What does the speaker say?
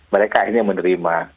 mereka akhirnya menerima